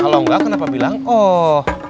kalau enggak kenapa bilang oh